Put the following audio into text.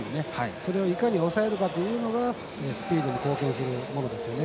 それをいかに抑えるかがスピードに貢献するものですね。